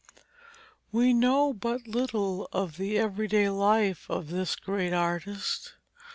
We know but little of the everyday life of this great artist.